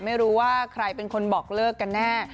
ไม่รู้ว่าใครเป็นคนบอกเลิกกันแน่